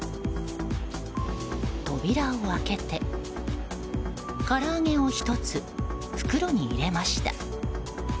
扉を開けて、から揚げを１つ袋に入れました。